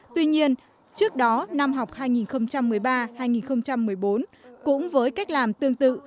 tuy nhiên trước đó năm học hai nghìn một mươi ba hai nghìn một mươi bốn cũng với cách làm tương tự